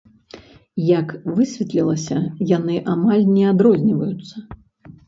Як высветлілася, яны амаль не адрозніваюцца.